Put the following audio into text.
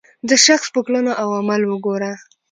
د شخص په کړنو او عمل وګوره.